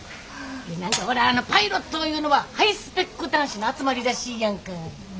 何かほらパイロットいうのはハイスペック男子の集まりらしいやんか。